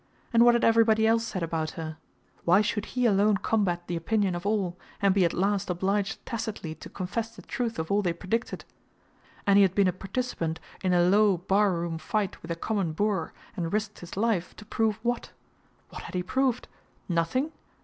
And what had everybody else said about her? Why should he alone combat the opinion of all, and be at last obliged tacitly to confess the truth of all they predicted? And he had been a participant in a low barroom fight with a common boor, and risked his life, to prove what? What had he proved? Nothing?